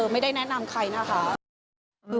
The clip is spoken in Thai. ไม่ได้แนะนำใครนะคะ